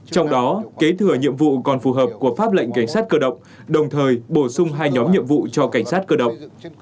trong đó kế thừa nhiệm vụ còn phù hợp của pháp lệnh cảnh sát cơ động đồng thời bổ sung hai nhóm nhiệm vụ cho cảnh sát cơ động